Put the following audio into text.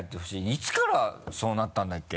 いつからそうなったんだっけ？